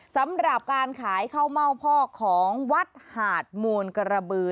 สำหรับการขายข้าวเม่าพ่อของวัดหาดมูลกระบือ